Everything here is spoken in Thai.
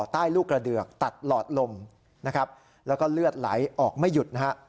ใต้ลูกกระเดือกตัดหลอดลมแล้วก็เลือดไหลออกไม่หยุด